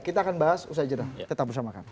kita akan bahas usaha jenah tetap bersama kami